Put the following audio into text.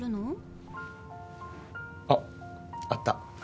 あっあった。